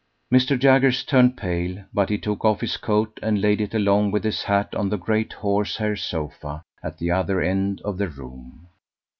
Mr. Jaggers turned pale, but he took off his coat and laid it along with his hat on the great horsehair sofa at the other end of the room.